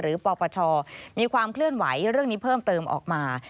ปปชมีความเคลื่อนไหวเรื่องนี้เพิ่มเติมออกมา